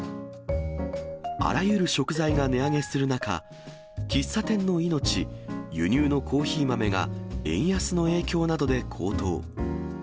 あらゆる食材が値上げする中、喫茶店の命、輸入のコーヒー豆が円安の影響などで高騰。